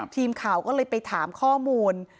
ทีมข่าวก็เลยไปถามข้อมูล